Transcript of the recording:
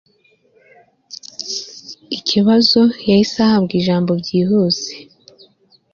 ikibazo yahise ahabwa ijambo byihuse